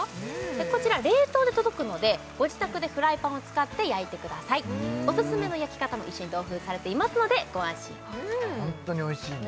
こちら冷凍で届くのでご自宅でフライパンを使って焼いてくださいオススメの焼き方も一緒に同封されていますのでご安心をホントにおいしいね